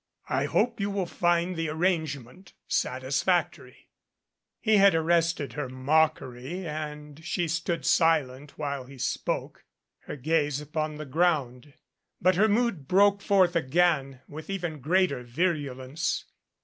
I hope you will find the arrangement satisfactory." He had arrested her mockery and she stood silent while he spoke, her gaze upon the ground. But her mood broke forth again with even greater virulence.